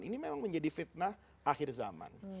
ini memang menjadi fitnah akhir zaman